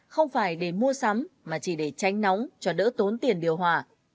không phải để mua sắm mà chỉ để tránh nóng cho đỡ tốn tiền điều hòa